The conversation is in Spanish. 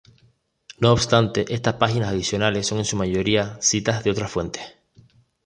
No obstante, estas páginas adicionales son en su mayoría citas de otras fuentes.